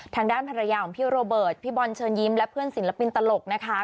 ทางด้านภรรยาของพี่โรเบิร์ตพี่บอลเชิญยิ้มและเพื่อนศิลปินตลกนะคะ